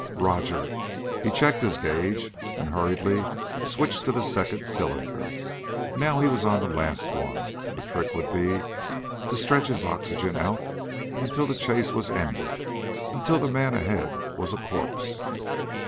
"Roger." He checked his gauge and hurriedly switched to the second cylinder. Now he was on the last one. The trick would be to stretch his oxygen out until the chase was ended until the man ahead was a corpse.